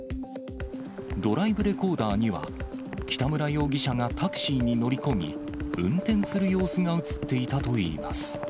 ドライブレコーダーには、北村容疑者がタクシーに乗り込み、運転する様子が写っていたといいます。